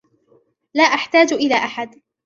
لا أحتاج إلى أحد.